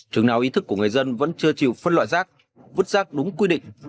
chứng nào ý thức của người dân vẫn chưa chịu phân loại rác vứt rác đúng quy định